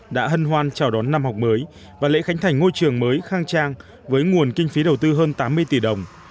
đã hân hoan chào đón năm học mới và lễ khánh thành ngôi trường mới khang trang với nguồn kinh phí đầu tư hơn tám mươi tỷ đồng